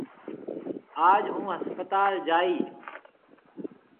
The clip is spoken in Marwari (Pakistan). آج هُون هسپتال جائِي۔